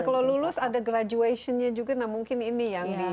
nah kalau lulus ada graduationnya juga nah mungkin ini yang di cari